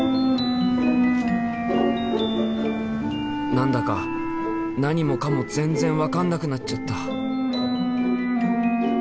何だか何もかも全然分かんなくなっちゃった。